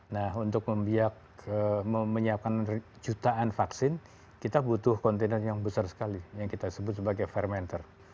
nah untuk menyiapkan jutaan vaksin kita butuh kontainer yang besar sekali yang kita sebut sebagai fermenter